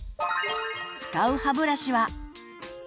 使う歯ブラシは。